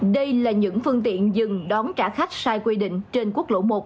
đây là những phương tiện dừng đón trả khách sai quy định trên quốc lộ một